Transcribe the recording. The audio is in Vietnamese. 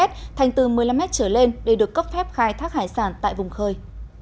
thành từ một mươi năm m trở lên để được cấp phép khai thác hải sản tại vùng khơi